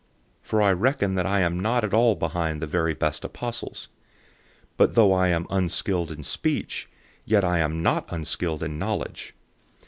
011:005 For I reckon that I am not at all behind the very best apostles. 011:006 But though I am unskilled in speech, yet I am not unskilled in knowledge.